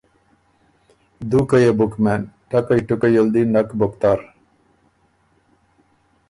دُوکه يې بُک مېن، ټَکئ ټُکئ ال دی نک بُک تر۔